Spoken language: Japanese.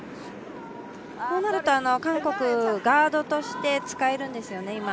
こうなると韓国、ガードとして使えるんですよね。